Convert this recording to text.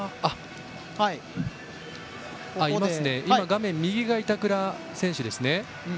画面右が板倉選手ですね。